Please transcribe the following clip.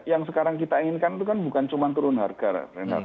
yang sekarang kita inginkan bukan cuma turun harga